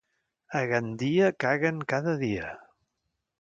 A Gandia caguen cada dia.